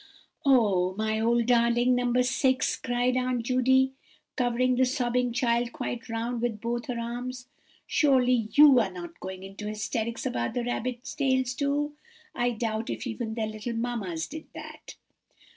"Oh, my old darling No. 6," cried Aunt Judy, covering the sobbing child quite round with both her arms, "surely you are not going into hysterics about the rabbits' tails too! I doubt if even their little mammas did that.